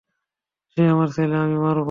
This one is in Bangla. সে আমার ছেলে, আমি মারব।